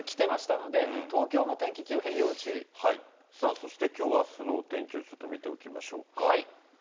そしてきょうはそのお天気をちょっと見ておきましょうか。